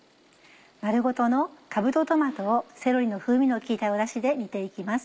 丸ごとのかぶとトマトをセロリの風味の効いたダシで煮て行きます。